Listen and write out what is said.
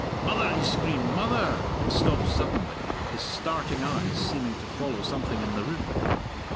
"Mother!" he screamed, "mother!" and stopped suddenly, his starting eyes seeming to follow something in the room.